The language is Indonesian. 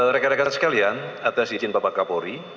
rekan rekan sekalian atas izin bapak kapolri